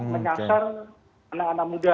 menyangkar anak anak muda